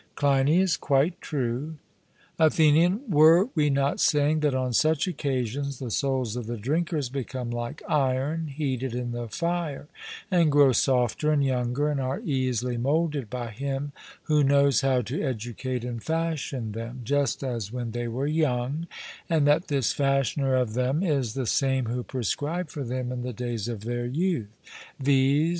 CLEINIAS: Quite true. ATHENIAN: Were we not saying that on such occasions the souls of the drinkers become like iron heated in the fire, and grow softer and younger, and are easily moulded by him who knows how to educate and fashion them, just as when they were young, and that this fashioner of them is the same who prescribed for them in the days of their youth, viz.